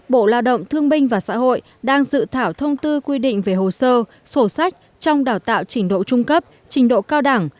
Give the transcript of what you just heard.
bộ lao động thương binh và xã hội đang dự thảo thông tư quy định về hồ sơ sổ sách trong đào tạo trình độ trung cấp trình độ cao đẳng